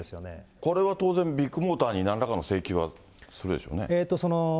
これは当然、ビッグモーターになんらかの請求はするでしょうね。